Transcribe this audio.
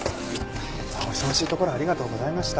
お忙しいところありがとうございました。